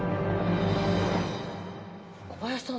小林さん